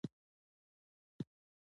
بیا د باما ولسوالۍ پر لور رهي شوو.